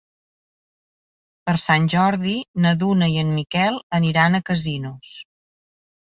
Per Sant Jordi na Duna i en Miquel aniran a Casinos.